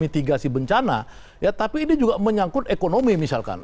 mitigasi bencana ya tapi ini juga menyangkut ekonomi misalkan